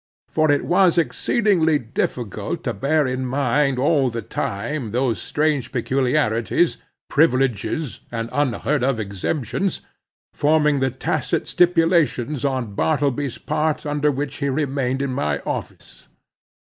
For it was exceeding difficult to bear in mind all the time those strange peculiarities, privileges, and unheard of exemptions, forming the tacit stipulations on Bartleby's part under which he remained in my office.